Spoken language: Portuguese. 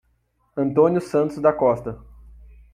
Antônio Santos da Costa